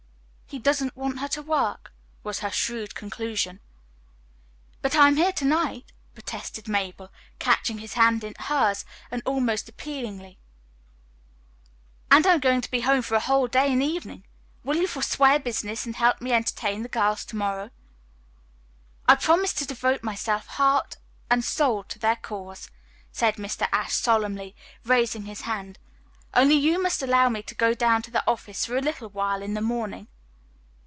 "He doesn't want her to work," was her shrewd conclusion. "But I am here to night," protested Mabel, catching his hand in hers almost appealingly, "and I'm going to be at home for a whole day and evening. Will you forswear business and help me entertain the girls to morrow?" "I promise to devote myself heart and soul to their cause," said Mr. Ashe solemnly, raising his hand. "Only you must allow me to go down to the office for a little while in the morning."